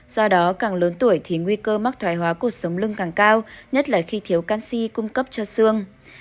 do đó càng lớn tuổi thì nguy cơ mắc thoái hóa cuộc sống lưng càng cao nhất là khi thiếu canxi cung cấp cho xương